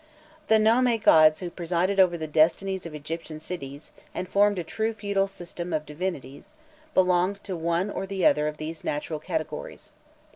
The nome gods who presided over the destinies of Egyptian cities, and formed a true feudal system of divinities, belonged to one or other of these natural categories.